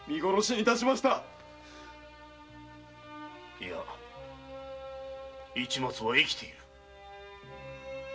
いや市松は生きている。